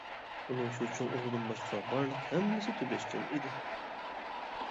ئۇنىڭ شۇ چوڭ ئوغلىدىن باشقا بارلىق ھەممىسى تۈگەشكەن ئىدى.